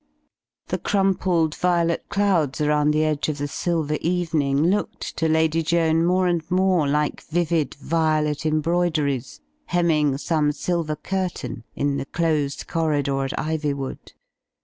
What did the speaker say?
The crumpled violet clouds around the edge of the silver evening looked to Lady Joan more and more like vivid violet embroideries hemming some silver cur tain in the dosed corridor at Iv)nvood.